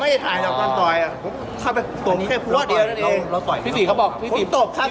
พี่ฟิกเขาบอกพี่ฟิกตบครับ